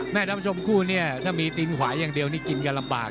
แม่ดำชมคู่เนี่ยถ้ามีตีนขวายังเดียวนี่กินก็ลำบาก